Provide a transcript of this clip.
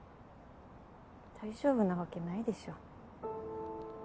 大丈夫なわけないでしょ。